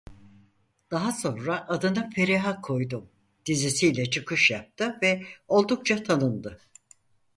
Daha sonra Adını Feriha Koydum dizisiyle çıkış yaptı ve oldukça tanındı.